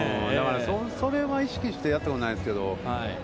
だからそれは意識してやったことないですけど。